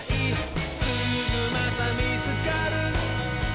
「すぐまたみつかる」